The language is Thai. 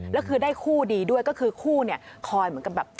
แล้วคือได้คู่ดีด้วยก็คือคู่เนี่ยคอยเหมือนกับแบบ